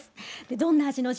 どんな味の地